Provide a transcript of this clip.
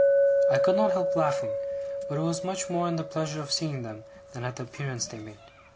I could not help laughing; but it was much more in the pleasure of seeing them, than at the appearance they made.